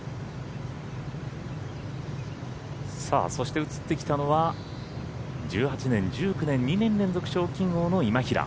そして、映ってきたのは１８年、１９年２年連続賞金王の今平。